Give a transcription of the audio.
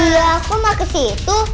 iya aku mau kesitu